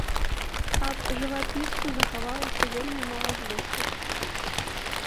Аб жывапісцу захавалася вельмі мала звестак.